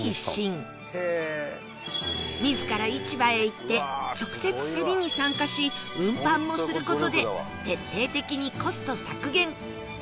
自ら市場へ行って直接セリに参加し運搬もする事で徹底的にコスト削減